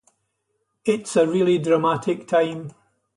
It's a really dramatic time.